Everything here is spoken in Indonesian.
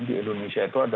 di indonesia itu ada